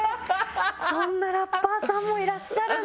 そんなラッパーさんもいらっしゃるんだ。